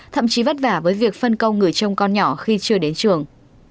thậm chí vất vả với việc phân công người trông con nhỏ khi chưa đến trường